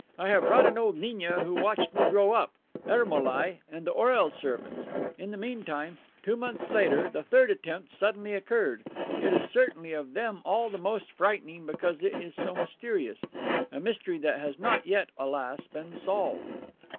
I have brought an old gniagnia who watched me grow up, Ermolai, and the Orel servants. In the meantime, two months later, the third attempt suddenly occurred. It is certainly of them all the most frightening, because it is so mysterious, a mystery that has not yet, alas, been solved."